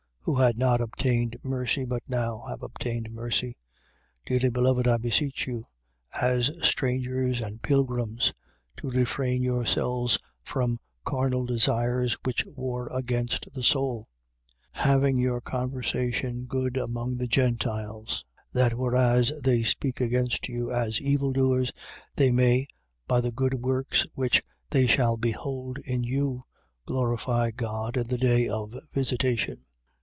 Who had not obtained mercy: but now have obtained mercy. 2:11. Dearly beloved, I beseech you, as strangers and pilgrims, to refrain yourselves from carnal desires which war against the soul, 2:12. Having your conversation good among the Gentiles: that whereas they speak against you as evildoers, they may, by the good works which they shall behold in you, glorify God in the day of visitation.